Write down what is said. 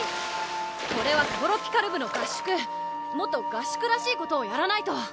これはトロピカる部の合宿もっと合宿らしいことをやらないと！